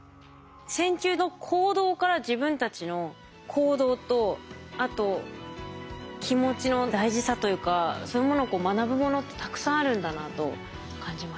線虫の行動から自分たちの行動とあと気持ちの大事さというかそういうものを学ぶものってたくさんあるんだなと感じました。